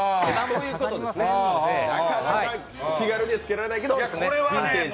なかなか気軽にはつけられないけど、ヴィンテージ。